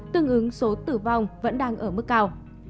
tương ứng số tử vong vẫn đang ở mức cao